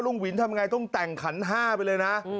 วินทำไงต้องแต่งขันห้าไปเลยนะ